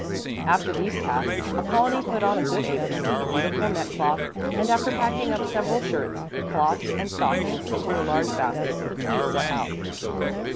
After these tasks Apollonie put on a good apron, a beautiful neck cloth, and after packing up several shirts, cloths and stockings into a large basket the two set out.